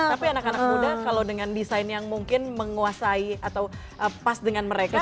tapi anak anak muda kalau dengan desain yang mungkin menguasai atau pas dengan mereka